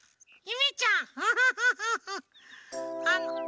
ゆめちゃん？